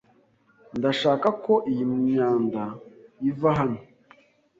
Ndashaka ko iyi myanda iva hano.